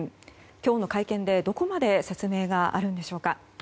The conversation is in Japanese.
今日の会見でどこまで説明があるのでしょうか。